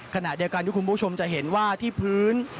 ขณะเดียวกันที่คุณผู้ชมจะเห็นว่าที่พื้น